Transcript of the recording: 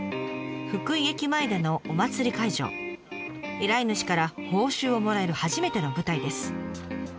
依頼主から報酬をもらえる初めての舞台です。